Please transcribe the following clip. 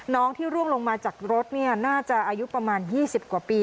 น้องที่ร่วงลงมาจากรถเนี้ยน่าจะอายุประมาณยี่สิบกว่าปี